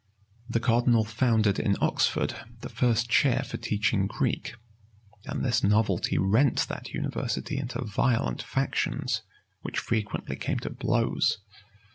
The cardinal founded in Oxford the first chair for teaching Greek; and this novelty rent that university into violent factions, which frequently came to blows.